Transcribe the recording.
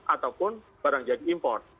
ataupun barang jari import